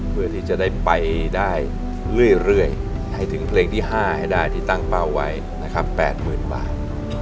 เพื่อที่จะได้ไปได้เรื่อยให้ถึงเพลงที่๕ให้ได้ที่ตั้งเป้าไว้นะครับ๘๐๐๐บาท